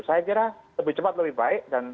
saya kira lebih cepat lebih baik dan